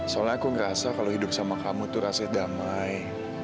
soalnya aku ngerasa kalau hidup sama kamu tuh rasanya damai